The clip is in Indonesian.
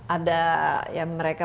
ada yang mereka